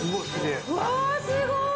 うわすごい！